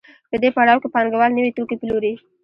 په دې پړاو کې پانګوال نوي توکي پلوري